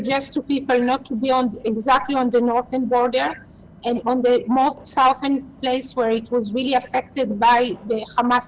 ว่าตอนนี้คนจะทดสอบผู้ต่างจากเฮมมัส